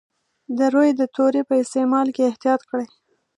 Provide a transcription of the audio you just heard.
د روي د توري په استعمال کې احتیاط کړی.